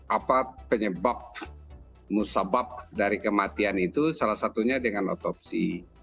apa penyebab musabab dari kematian itu salah satunya dengan otopsi